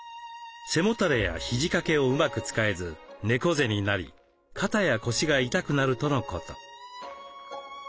背もたれや肘かけをうまく使えず猫背になり肩や腰が痛くなるとのこと。